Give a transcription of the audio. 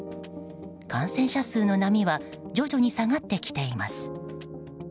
感染者数の波は徐々に下がってきています。